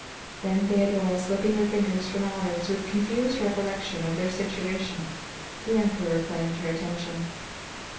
Then, Theodora slipping her fingers from Allard's with confused recollection of their situation, the Emperor claimed her attention.